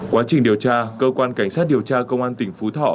quá trình điều tra cơ quan cảnh sát điều tra công an tỉnh phú thọ